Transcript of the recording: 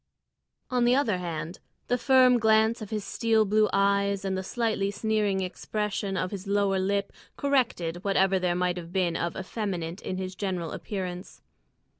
On the other hand, the firm glance of his steel blue eyes and the slightly sneering expression of his lower lip corrected whatever there might be of effeminate in his general appearance.